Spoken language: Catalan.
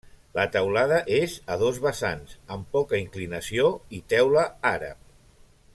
La teulada és a dos vessants amb poca inclinació i teula àrab.